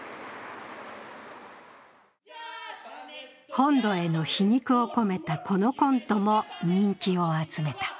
本土への皮肉を込めたこのコントも人気を集めた。